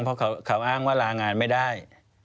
เพราะเขาอ้างว่าลางานไม่ได้